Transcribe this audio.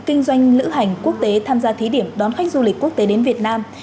kinh doanh lữ hành quốc tế tham gia thí điểm đón khách du lịch quốc tế đến việt nam